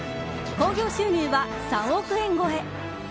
興行収入は３億円超え。